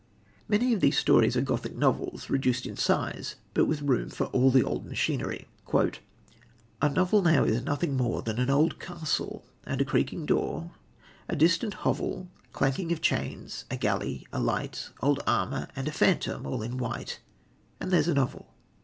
Many of the stories are Gothic novels, reduced in size, but with room for all the old machinery: "A novel now is nothing more Than an old castle, and a creaking door, A distant hovel, Clanking of chains a galley a light Old armour, and a phantom all in white, And there's a novel."